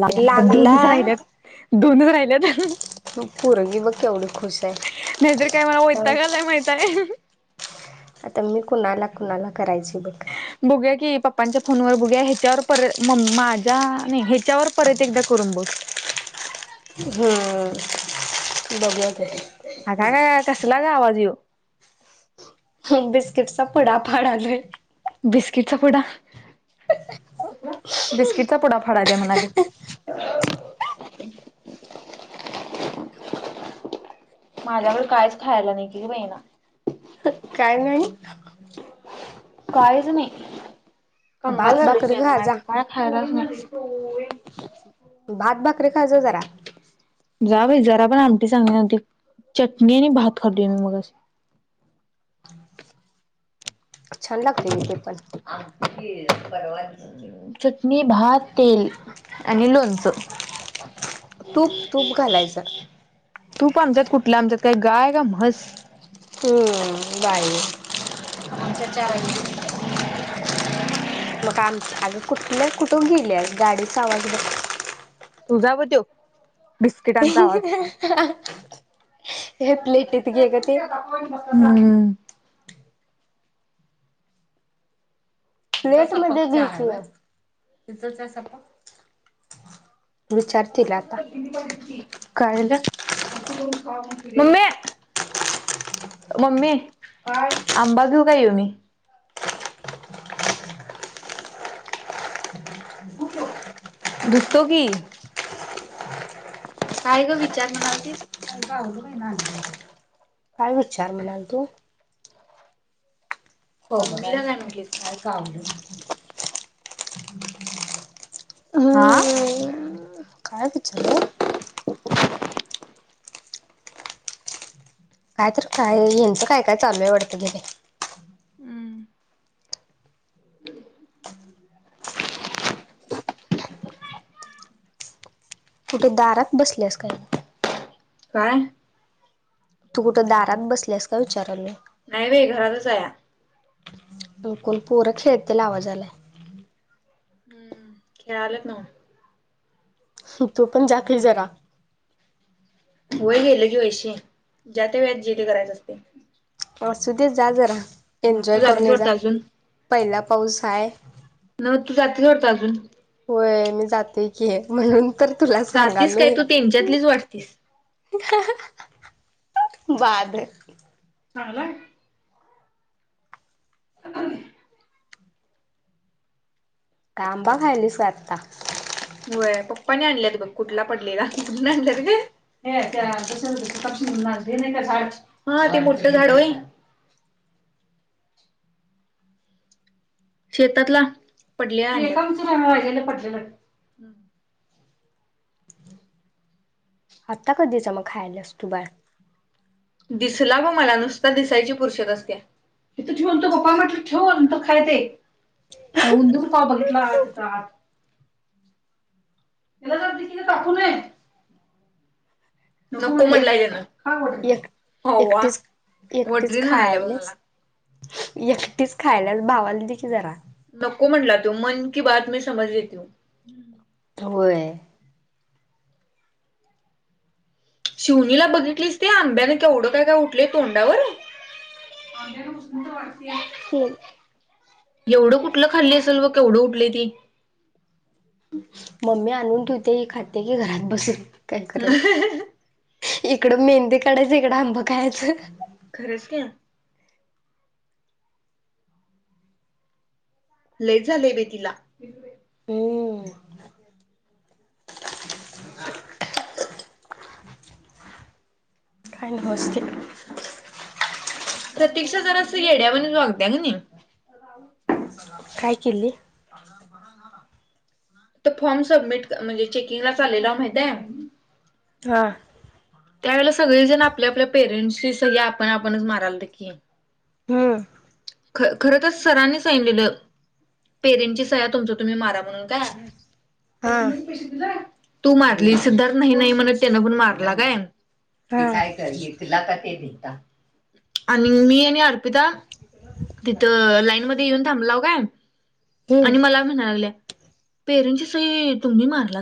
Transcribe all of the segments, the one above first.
नाही आता लागला धूनच राहिल्यात धून राहिल ह फु फु रंगीत. नाहीतर काय मला वैताग त्यामुळे आला माहित आहे कां? आता मी कुणाला कुणाला करायची बघ. बघुया की पप्पांच्या फोनवर बघुया ह्याच्यावर परत मम माझ्या नाही ह्याच्यावर परत एकदा करून बघ. हम्म बघूया की. आग आग गं ये कसलं गं आवाज ह्यो. बिस्किटचा पुडा फाडायलो. बिस्किटचा पुडा. बिस्किटचा पुडा फाडा द्या म्हणाले. माझ्या कडे काहीच खायला नाही की गं मैना. काय नाही. काहीच नाही कंगाल भात झालो भाकरी की माया खाजा कडे काय नाय. खर ना [unintelligible] भात भाकरी खा जा जरा. जा बाई जरा पण आमटी चांगली नव्हती चटणी नी भात खाते मी मग छान लागते की ते पण आमटी केली परवाच. चटणी, भात, तेल आणि लोणचं. तूप तूप घालायचं तूप आमच्यात कुठल् आमच्यात काही गाय का म्हस हम्म बाई आमच्यात चार आहेत. मग आमच कुठले कुठून गेले गाडीचा आवाज बघ. तू जावं देव. घेतलोय की घे गं ते. हम्म. प्लेट मध्ये जेव की गं. विचारतील आता काय म्हणता, मम्मे मम्मी काय आंबा घेऊ का ह्यो मी. धुतो की. काय ग विचार म्हणाल ती. काय विचार म्हणाल तू. हो मला. मम्मीला काय म्हटलीस का ह [unintelligible] हा. काय कचरा ये. काय तर काय यांचं काय काय चालू आहे वाटतं मधे हम्म. कुठे दारात बसलेस काय गं? काय? तू कुठं दारात बसलेस काय विचाराले. नाय बाई घरातच हाया. डोकूल पोर खेेळतील आवाज आलाय हम्म खेळालेत नव्ह कुतो पण जातील जरा व्हय गेलं की वैशी ज्याते वेळेत जि पे करायच असतय. असू दे जा जरा एन्जॉय करून जातीस ये जा वाटतं अजून पहिला पाऊस हाय नव्ह तू जातेस वाटतं अजून होय मी जाते की म्हणून तर तुला जातीस काय सांगालोय. तू त्यांच्यातलीच वाटतीस. बाद चांगलाय [unintelligible] काय आंबा खायलीस व्हय आता होय पप्पानीं आणल्यात बघ कुठला पडलेला कुठून आणल्यात ग हे त्या जस [unintelligible] ते नाय का झाड हा ते मोठं झाड होय. शेतातला पडलेला [unintelligible] आत्ता कधीचा म खायल्यास तू बाय दिसला ग मला नुसता दिसायची पुरसत असत्या इथं ठेव अनं पामटलं ठेव आणि तूं खाय ते उंदूूकं पाव बघितला तित आत तिला जर दिसली तरी कापु नय एक म्हणलाय त्यानं. का वाटलं? एक होवा एकटीच एकटीच वडरीन म्हणाल्या बघ मला. खायालेस एकटीच खायालेस भावाल दे की जरा नको म्हणला त्यो मन की बात मी समज लेती हू हम्म होय. शिवणीला बघितलीस ते आंब्याने केवढं काय काय उठलंय तोंडावर आंब्यान उष्णता वाढते. तेन एवढं कुठलं खाल्ली असेल बघ केवढं उठलय ते मम्मी आणून ठेवते ही खाते की घरात बसून काय करल. इकडं मेहंदी काढायचं इकडं आंबं खायचं. खरंच क्या लयच झालय बय तिला हम्म मोस्कित प्रतीक्षा जरासं येड्यावानीच वागत्या क नीं - काय केली? आजार बरा झाला. तर फॉर्म सबमिट म्हणजे चेकिंगला चाललेला माहित हाय हा त्यावेेळेला सगळेजण आपल्या आपल्या पेरेंट्सची सही आपण आपणच मारालतो की हम्म ख खर त सरांनी सांगितलेलं पेरेंटची सया तुमच्या तुम्ही मारा म्हणून काय हा तू मारली सिद्धार्थ नाही नाही म्हणत त्यानं पण मारला काय ते हा काय करली तिलाता ते दिता आणि मी आणि अर्पिता. तिथ लाईन मध्ये येऊन थांबला काय हम्म आणि मला पेरची सई तुम्ही मारला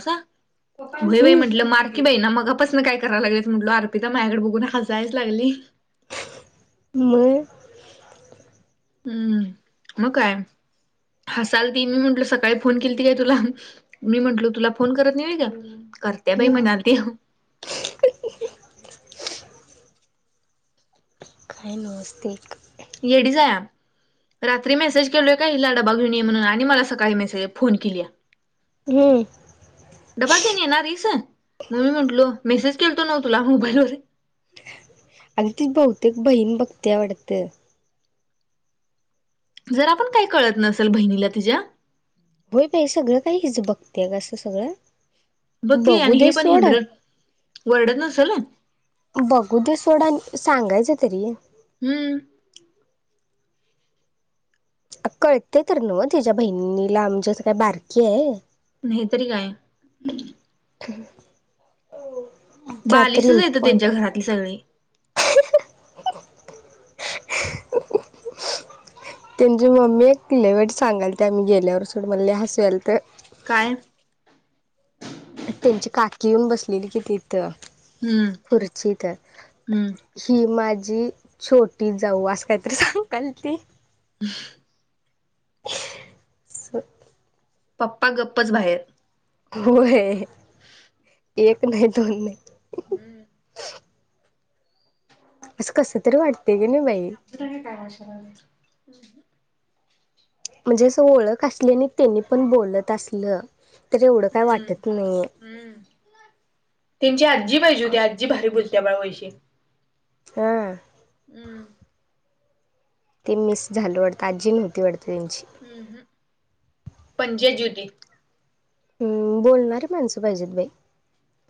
म्हटलं हम्म मार की बई ना मगापसून काय कराय लागेल म्हटो अर्पिता माझ्याकडे बघून हसायला लागली. मग. हम्म मग काय हसाल त मी म्हंटल सकाळी फोन केली त काय तुला. मी म्हंटलो तुला फोन करत नाही का करत्या बाई हम्म म्हणाल ते. [inaudible] काय नमस्ते. येडीच्या रात्री मेसेज केलोय का हिला डबा घेऊण ये म्हणून आणि मला सकाळी मेसेज फोन केली आहे. हम्म डबा घेऊन येणारिस म्हणून म्हटलो मेसेज केलतो नाव तुला मोबाईल वर. अग ती बहुतेक बहीण बघतिया वाटत? जरा पण काय कळत नसेल बहिणीला तिच्या. होय बाई सगळं काही हिच बघतेय कासं सगळं. बघ की बघू आणि हे दे पण सोड हेंदर वरडत नसेल. बघुदे सोडा आण सांगायच तरी. हम्म कळते तर नव तिच्या बहिणीला आमच्या असं काय बारकीय. नाही तरी काय [unintelligible] काहीतरी बालीसच आहेत त्यांच्या इम्पॉर्टंट घरातली सगळे. [inaudible] त्यांची मम्मी एक लय वाईट सांगाल त्या आम्ही गेल्यावर सोडं मला लय हसू यायलत. काय? त्यांची काकी येऊन बसलेली कि तिथ हम्म खुर्चीत. हम्म ही माझी छोटी जाऊ आस काहीतरी सांगयाल ती. [unintelligible] पप्पा गप्पच बाहेर. होय. एक नाही दोन नाही. हम्म. असं कसं तरी वाटतेय की नाही बाई. हे काय तमाशा लावलय. म्हणजे असं ओळख असली आणि त्यांनी पण बोलत असलं तर एवढं काय वाटत नाही. हम्म त्यांची आजी पाहिजे होती आजी भारी बोलत्या बा वैशी. हा. हम्म. ते मिस झाल वाटतं आजी नव्हती वाटते त्यांची. हम पणजी आज्जी होती. हम् बोलणारी माणसं पाहिजेत बाई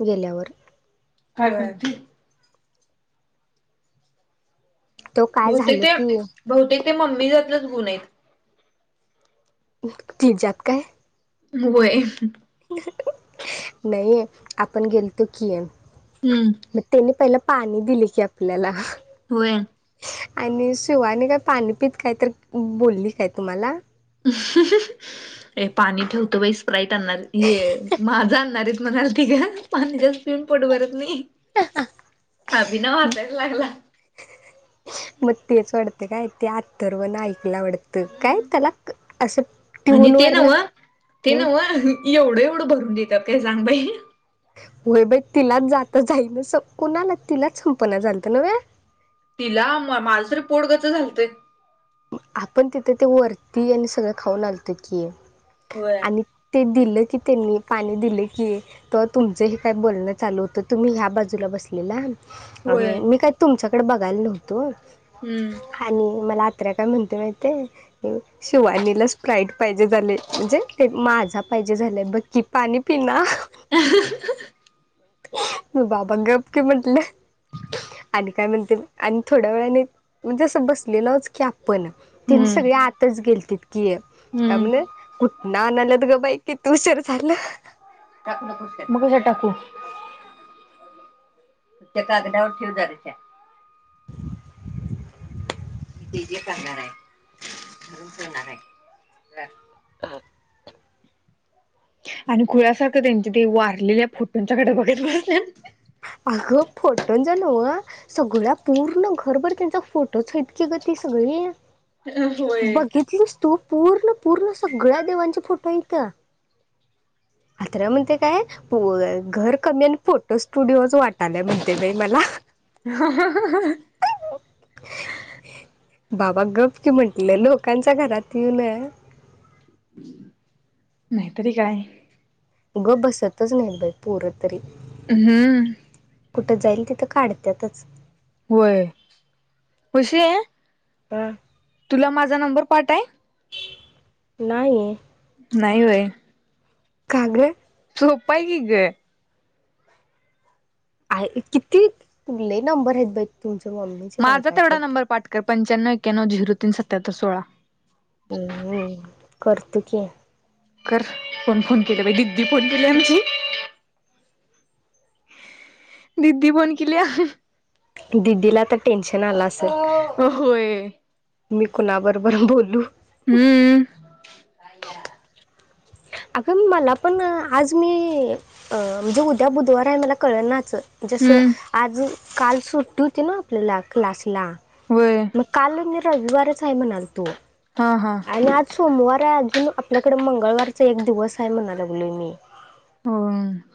गेल्यावर. काय बाया ती. तो काय बहुतेक झालं ते की बहुतेक ते मम्मी जातलंच गुण आहेत. हम तिच्यात काय? होय. नाही आपण गेलतो की. हम्म. म तेनी पहिला पाणी दिले की आपल्याला. होय. आणि शिवानी काय पाणी पित काय तर बोलली काय तुम्हाला? [unintelligible] ए पाणी ठेवतो बाई स्प्राईट आणणार ये माझा आणणारेत म्हणालती ग. पाणी जास्त पिऊन पोट भरत नाही अभिनव हसायला लागला. मग ते सोडते काय ते अर्थव न ऐकला वाडत. तर काय हम्म. त्याला असं आणि ट्यून ते वर न नव्ह ते हम. नव्ह एवढं एवढं भरून देतात काय सांगबाई. होय बाई तिलाच जात जाईन स कोणाला तिलाच संपणा झालत न्हवे? तिला म माझ तरी पोट गच झालतंय. म आपण तिथं ते वरती आणि सगळं खाऊन आलतो की. होय. आणि ते दिलं की त्यांनी पाणी दिलं की. तवा तुमचं हे काय बोलणं चालू होतं तुम्ही ह्या बाजूला बसलेला. होय आणि मी काही तुमच्याकडे बघायला नव्हतो. हम्म. आणि मला अथऱ्या काय म्हणते माहितीये शिवानीला स्प्राईट पाहिजे झाले म्हणजे ते माझा पाहिजे झालंय बघकी पाणी पिना. [inaudible] मग बाबा गप की म्हटलं आणि काय म्हणते आणि थोड्या वेळाने म्हणजे असं बसलेलोच की आपण तेनी हम्म सगळी आतच गेलतीत. की काय म्हणे हम्म कुठन आणायल्यात ग बाई किती उशर झालं. मग कशात टाकू. त्या कागदा्यावर ठेव दारीच्या. मी ते जे करणार आहे रूम करणार आहे. हा. आणि खुळ्यासारखं त्यांचे ते वारलेल्या फोटोंच्याकडे बघत बसल्यात. अगं फोटोंच्या न्हव. सगळ्या पूर्ण घरभर त्यांचा फोटोच हायतकी ग ती सगळी. होय. बघितलीस तू पूर्ण पूर्ण सगळ्या देवांचे फोटो हाईत. अथऱ्या म्हणतय काय घर कमी आणि फोटो स्टुडिओच वाट [inaudible] बाबा गप की म्हटल लोकांच्या घरात येऊन. नाहीतरी काय? गप बसतच नाही बाई पोर तरी. हम्म. कुठं जाईल तिथं काढत्यातच. होय पशे हा. तुला माझा नंबर पाठाय? नाही. नाही होय. का ग? सोपा हाय की ग. आहे किती लय नंबर आहेत बाई तुमच्या मम्मी. माझा तेवढा नंबर पाठ कर पंच्याण्णव एक्याण्णव झिररो तीन सत्यात्तर सोळा. हम करतो की. कर कोण फोन केला बाई दीदी फोन केले आमची. दिदी फोण केल्या. दिदीला आता टेन्शन आल असलं. होय. मी कुणाबरोबर बोलू. हम्म. अगं मला पण आज मी अ म्हणजे उद्या बुधवार आहे मला कळनाचं. जसं हम्म आज काल सुट्टी होती ना आपल्याला क्लासला. होय मग काल मी रविवारच आहे म्हणाल तो. हा हा. आणि आज सोमवार आहे अजून आपल्याकडे मंगळवारचा एक दिवस आहे म्हणाय लागलो मी.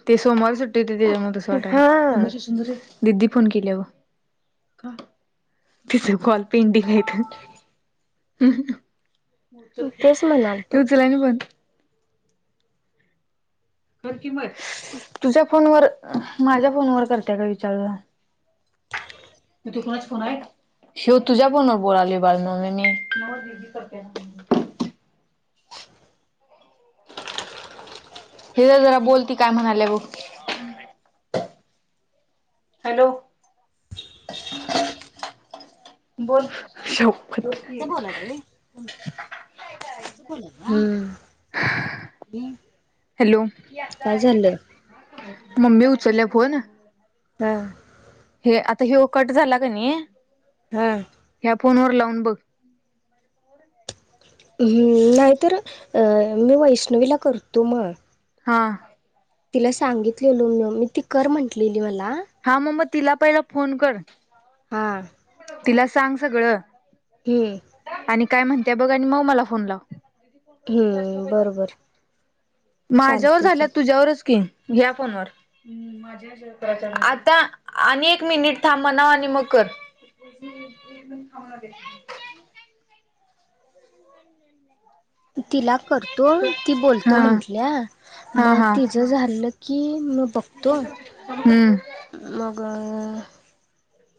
ते सोमवारी सुट्टी होते त्याच्यामुळे तसं हा वाटायला. दिदी फोन केले बघ. तिच कॉल पेंडिंग आहेथ हम्म. तेच म्हणाल तो उचलना बघ. तुझ्या फोनवर माझ्या फोनवर करतेय का विचार जरा. मग ह्यो तुझा फोनवर बोलायलो बाळ मम्मे मी. हे जरा बोल ती काय म्हणाल्या बघ. हॅलो. शप्पथ. हम्म. हॅलो काय झालं मम्मी उचलल्या फोन. हा. हे आता ह्यो कट झाला का नाही. हा. ह्या फोनवर लावून बघ. हम नाही तर अ मी वैष्णवीला करतो मग. हा. तिला सांगितलेल मी ती कर म्हंटलेली मला. हा मम्मा तिला पहिला फोन कर. हा. तिला सांग सगळं. हम्म. आणि काय म्हणत्या बघ आणि मग मला फोन लाव. हम्म बरोबर. माझ्यावर चालते झाल्या की तुझ्यावरच कि या फोनवर. आता आणि एक मिनिट थांब म्हणाव आणि मग कर. [inaudible] तिला करतो ती बोलतो हा म्हटल्या मग तिजा. ज झालं की म बं हूं! मगं अ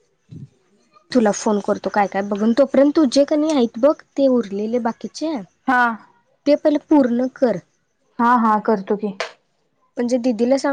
[inaudible] तुला फोन करतो काय, काय बघून तोपर्यंत तुझे कणी आहेत बघ. ते उरलेले बाकीचे. हा! ते पहिले पूर्ण कर. हा हा करतो की. म्हणजे दिदीला सां